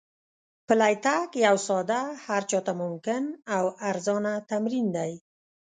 پلی تګ یو ساده، هر چا ته ممکن او ارزانه تمرین دی.